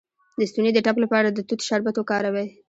د ستوني د ټپ لپاره د توت شربت وکاروئ